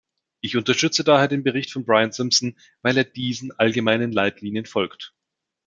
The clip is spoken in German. Ich unterstütze daher den Bericht von Brian Simpson, weil er diesen allgemeinen Leitlinien folgt.